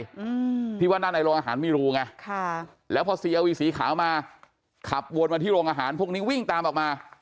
อืมที่ว่าด้านในโรงอาหารมีรูไงค่ะแล้วพอซีอาวีสีขาวมาขับวนมาที่โรงอาหารพวกนี้วิ่งตามออกมา